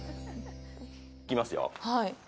いきますよ。